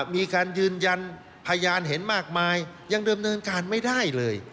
มีการยืนยันพยานเห็นมากมายยังเดิมเนินการไม่ได้เลย